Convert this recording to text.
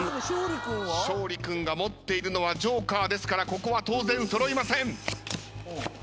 勝利君が持っているのはジョーカーですからここは当然揃いません。